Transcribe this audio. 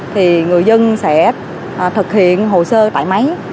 thì người dân sẽ thực hiện hồ sơ tải máy